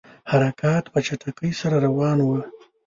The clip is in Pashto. حرکات په چټکۍ سره روان وه.